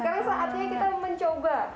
sekarang saatnya kita mencoba